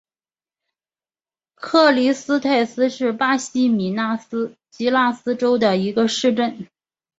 克里斯泰斯是巴西米纳斯吉拉斯州的一个市镇。